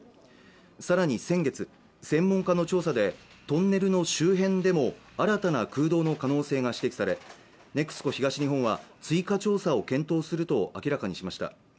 さらに先月専門家の調査でトンネルの周辺でも新たな空洞の可能性が指摘されＮＥＸＣＯ東日本は追加調査を検討すると明らかにしました